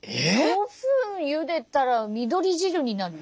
５分ゆでたら緑汁になるよ。